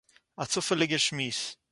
אַ צופעליגער שמועס